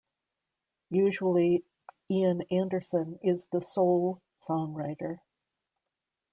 Usually Ian Anderson is the sole songwriter.